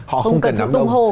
họ không cần đám đông